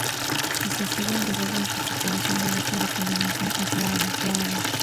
Si se siguen las reglas de preparación la lista de combinaciones es larga.